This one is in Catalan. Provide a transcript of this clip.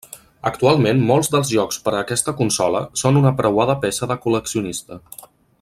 Actualment molts dels jocs per a aquesta consola són una preuada peça de col·leccionista.